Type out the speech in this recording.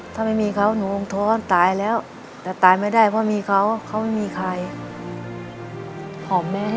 ตัวพี่เอ็งรักแม่แค่ไหนคะ